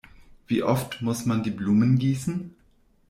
Wie oft muss man die Blumen gießen?